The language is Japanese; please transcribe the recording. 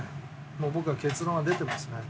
もう僕は結論は出てますね。